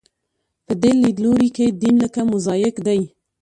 په دې لیدلوري کې دین لکه موزاییک دی.